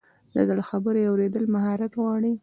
د زړه خبرې اورېدل مهارت غواړي.